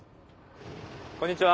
こんにちは。